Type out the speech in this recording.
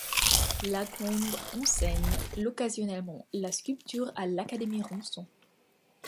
Lacombe enseigne occasionnellement la sculpture à l'Académie Ranson.